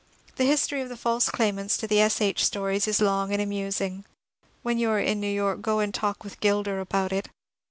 The history of the false claimants to the S. H. THE SAXE HOLM STORIES 429 stories 18 long and amusing. When you are in New York go and talk with Gilder about it.